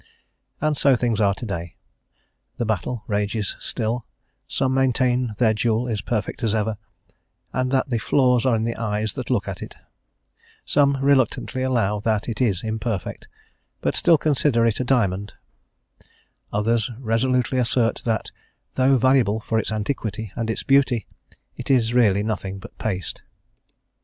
And so things are to day; the battle rages still; some maintain their jewel is perfect as ever, and that the flaws are in the eyes that look at it; some reluctantly allow that it is imperfect, but still consider it a diamond; others resolutely assert that, though valuable for its antiquity and its beauty, it is really nothing but paste.